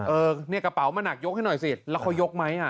เออเนี่ยกระเป๋ามันหนักยกให้หน่อยสิแล้วเขายกไหม